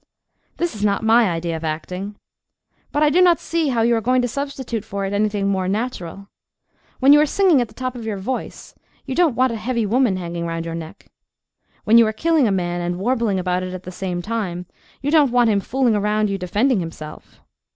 This is not my idea of acting. But I do not see how you are going to substitute for it anything more natural. When you are singing at the top of your voice, you don't want a heavy woman hanging round your neck. When you are killing a man and warbling about it at the same time, you don't want him fooling around you defending himself.